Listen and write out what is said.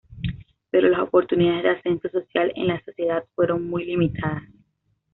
Pero las oportunidades de ascenso social en la sociedad fueron muy limitadas.